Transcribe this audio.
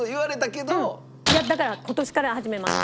いやだから今年から始めました。